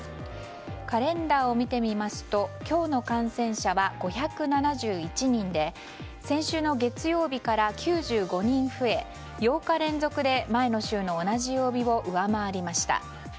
カレンダーを見てみますと今日の感染者は５７１人で先週の月曜日から９５人増え８日連続で前の週の同じ曜日を上回りました。